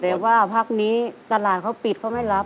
แต่ว่าพักนี้ตลาดเขาปิดเขาไม่รับ